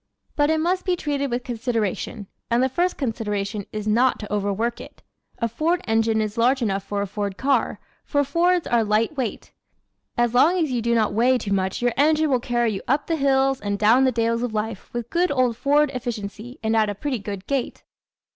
But it must be treated with consideration and the first consideration is not to overwork it. A Ford engine is large enough for a Ford car, for Fords are light weight. As long as you do not weigh too much your engine will carry you up the hills and down the dales of life with good old Ford efficiency and at a pretty good gait.